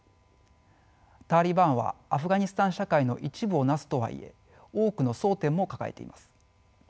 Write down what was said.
タリバンはアフガニスタン社会の一部を成すとはいえ多くの争点も抱えています。